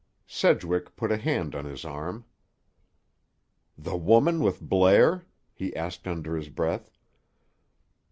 Sedgwick put a hand on his arm. "The woman with Blair?" he asked under his breath.